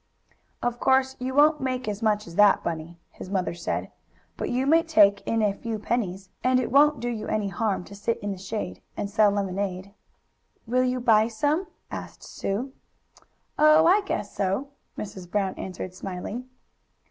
"Of course you won't make as much as that, Bunny," his mother said, "but you may take in a few pennies, and it won't do you any harm to sit in the shade and sell lemonade." "Will you buy some?" asked Sue. "Oh, I guess so," Mrs. Brown answered, smiling.